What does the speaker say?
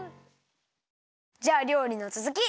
じゃありょうりのつづき！